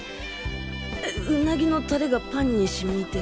うなぎのタレがパンに染みて。